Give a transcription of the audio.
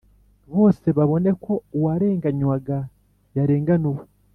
bose babone ko uwarenganywaga yarenganuwe.